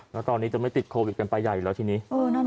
แล้วตอนนี้จะไม่ติดโควิดกันไปใหญ่อยู่แล้วทีนี้